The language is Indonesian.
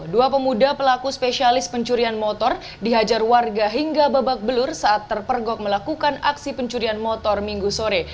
dua pemuda pelaku spesialis pencurian motor dihajar warga hingga babak belur saat terpergok melakukan aksi pencurian motor minggu sore